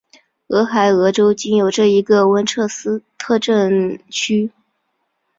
俄亥俄州仅有这一个温彻斯特镇区。